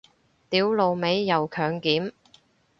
屌老味又強檢